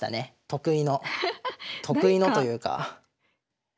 得意の得意のというか。